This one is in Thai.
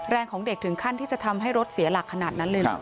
ของเด็กถึงขั้นที่จะทำให้รถเสียหลักขนาดนั้นเลยเหรอ